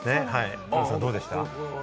黒田さん、どうでした？